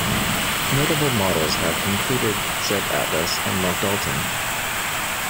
Notable models have included Zeb Atlas and Mark Dalton.